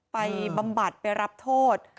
บำบัดไปรับโทษ